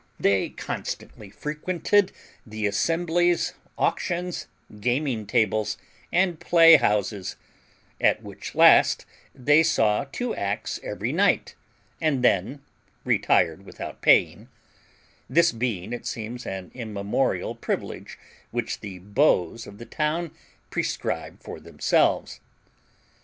They constantly frequented the assemblies, auctions, gaming tables, and play houses; at which last they saw two acts every night, and then retired without paying this being, it seems, an immemorial privilege which the beaus of the town prescribe for themselves.